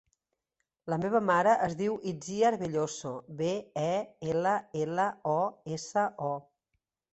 La meva mare es diu Itziar Belloso: be, e, ela, ela, o, essa, o.